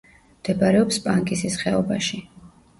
მდებარეობს პანკისის ხეობაში.